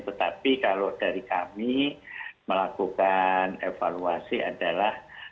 tetapi kalau dari kami melakukan evaluasi adalah